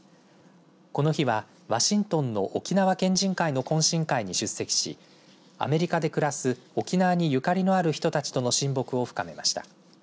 この日はワシントンの沖縄県人会の懇親会に出席しアメリカで暮らす沖縄にゆかりのある人たちとの親睦を深めました。